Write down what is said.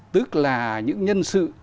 tức là những nhân sự